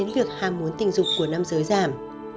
nguồn tình dục của nam giới giảm